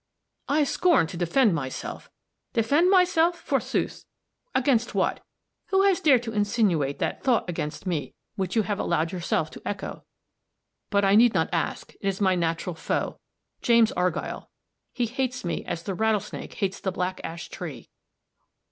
"I scorn to defend myself! Defend myself, forsooth! against what? Who has dared to insinuate that thought against me which you have allowed yourself to echo? But I need not ask it is my natural foe, James Argyll. He hates me as the rattlesnake hates the black ash tree!"